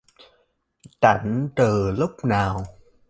Tạnh từ lúc nào